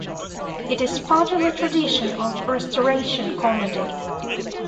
It is part of the tradition of Restoration comedy.